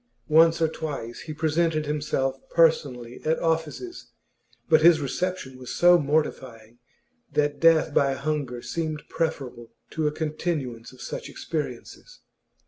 Once or twice he presented himself personally at offices, but his reception was so mortifying that death by hunger seemed preferable to a continuance of such experiences.